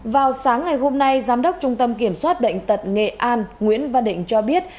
vào sáng ngày hôm nay giám đốc trung tâm kiểm soát bệnh tật nghệ an nguyễn văn định cho biết